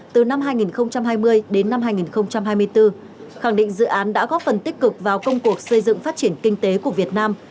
từ năm hai nghìn hai mươi đến năm hai nghìn hai mươi bốn khẳng định dự án đã góp phần tích cực vào công cuộc xây dựng phát triển kinh tế của việt nam